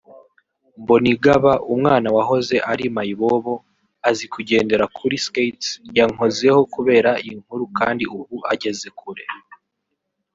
Mbonigaba umwana wahoze ari (mayibobo) azikugendera kuri skates yankozeho kubera inkuru kandi ubu ageze kure